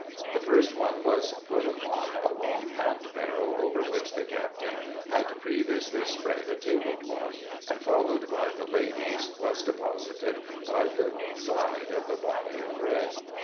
The first one was put upon a long handbarrow, over which the captain had previously spread a tablecloth, and, followed by the ladies, was deposited by the side of the body of Red.